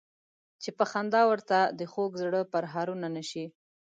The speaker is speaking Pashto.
چې په خندا ورته د خوږ زړه پرهارونه نه شي.